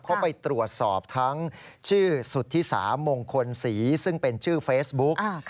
เข้าไปตรวจสอบทั้งชื่อสุธิสามงคลศรีซึ่งเป็นชื่อเฟซบุ๊ก